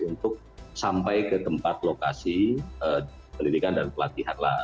untuk sampai ke tempat lokasi pendidikan dan pelatihan lah